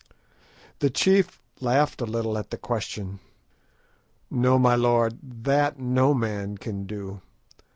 The chief laughed a little at the question. "No, my lord, that no man can do.